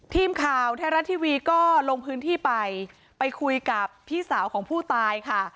ทีมข่าวไทยรัฐทีวีก็ลงพื้นที่ไปไปคุยกับพี่สาวของผู้ตายค่ะ